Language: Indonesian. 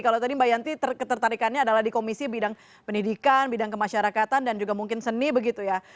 kalau tadi mbak yanti ketertarikannya adalah di komisi bidang pendidikan bidang kemasyarakatan dan juga mungkin seni begitu ya